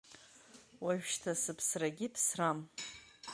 Уажәшьҭа сыԥсрагьы ԥсрам.